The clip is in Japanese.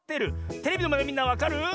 テレビのまえのみんなわかる？